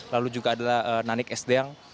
lalu juga adalah